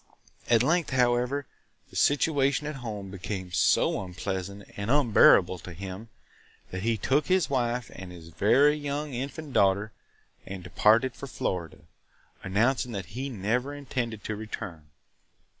At length, however, the situation at home became so unpleasant and unbearable to him that he took his wife and very young infant daughter and departed for Florida, announcing that he never intended to return.